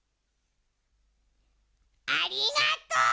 ありがとう。